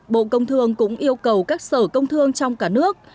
bộ công thương cũng yêu cầu các sở công thương trong cả nước